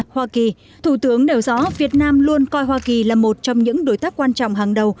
hoa kỳ thủ tướng nêu rõ việt nam luôn coi hoa kỳ là một trong những đối tác quan trọng hàng đầu